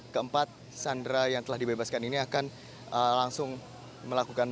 keempat sandera yang telah dibebaskan ini akan langsung melakukan